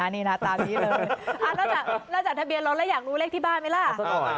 นี่นะตามนี้เลยแล้วจากทะเบียนรถแล้วอยากรู้เลขที่บ้านไหมล่ะ